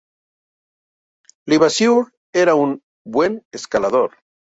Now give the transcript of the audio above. Levasseur era un buen escalador.